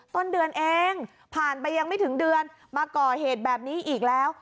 ต้นเดือนเองผ่านไปยังไม่ถึงเดือนมาก่อเหตุแบบนี้อีกแล้ว